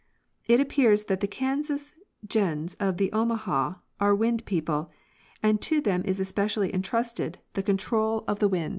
It appears that the Kansas gens of the Omaha are Wind people, and to them is especially entrusted the control of the *2d Ann.